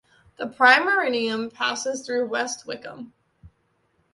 The Prime Meridian passes through West Wickham.